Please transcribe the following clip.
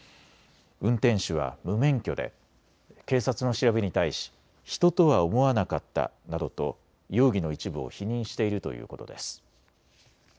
運転手は無免許で警察の調べに対し人とは思わなかったなどと容疑の一部を否認しているということです。